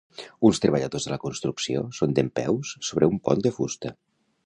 Uns treballadors de la construcció són dempeus sobre un pont de fusta.